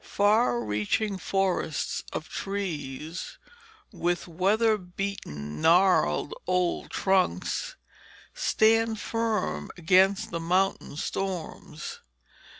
Far reaching forests of trees, with weather beaten gnarled old trunks, stand firm against the mountain storms.